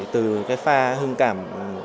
từ cái pha hương cảm